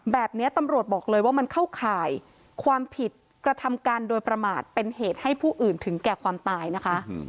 แบบนี้ตำรวจบอกเลยว่ามันเข้าข่ายความผิดกระทำการโดยประมาทเป็นเหตุให้ผู้อื่นถึงแก่ความตายนะคะ